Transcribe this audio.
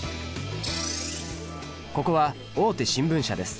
ここは大手新聞社です。